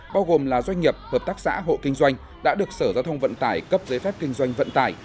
bao gồm là doanh nghiệp hợp tác xã hộ kinh doanh đã được sở giao thông vận tải cấp giấy phép kinh doanh vận tải